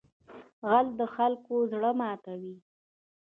غل د خلکو زړه ماتوي